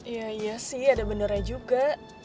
iya iya sih ada benarnya juga